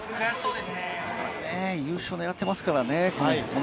優勝を狙っていますからね。